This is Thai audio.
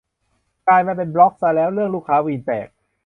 กลายมาเป็นบล็อกซะแล้ว~ เรื่องลูกค้าวีนแตก